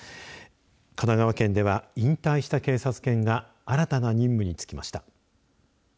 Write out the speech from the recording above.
神奈川県では引退した警察犬が新たな任務につきました。